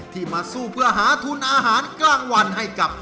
มาสู้เพื่อหาทุนอาหารกลางวันให้กับ